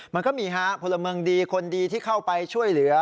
มันก็มีฮะพลเมืองดีคนดีที่เข้าไปช่วยเหลือ